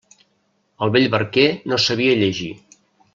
El vell barquer no sabia llegir.